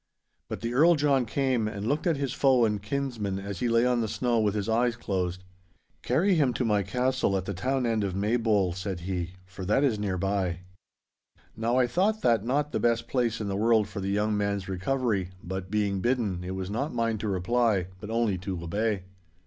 But the Earl John came and looked at his foe and kinsman as he lay on the snow with his eyes closed. 'Carry him to my castle at the town end of Maybole,' said he, 'for that is near by.' Now I thought that not the best place in the world for the young man's recovery, but, being bidden, it was not mine to reply, but only to obey.